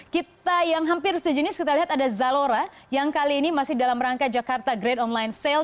kita yang hampir sejenis kita lihat ada zalora yang kali ini masih dalam rangka jakarta great online sale